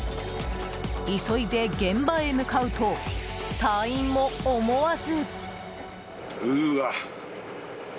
急いで現場へ向かうと隊員も思わず。